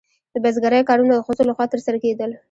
د بزګرۍ کارونه د ښځو لخوا ترسره کیدل.